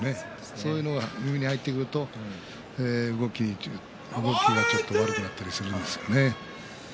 そういうのが耳に入ってくると動きがちょっと悪くなったりするんですよね。